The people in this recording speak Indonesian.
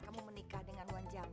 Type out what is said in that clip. kamu menikah dengan wan jamil